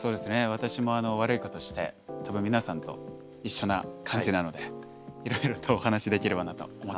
私も悪い子として多分皆さんと一緒な感じなのでいろいろとお話しできればなと思っております。